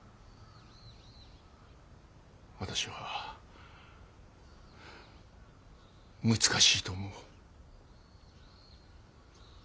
私は難しいと思う。